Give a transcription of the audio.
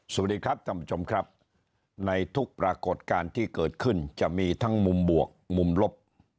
สวัสดีครับท่านผู้ชมครับในทุกปรากฏการณ์ที่เกิดขึ้นจะมีทั้งมุมบวกมุมลบ